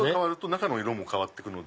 中の色も変わっていくので。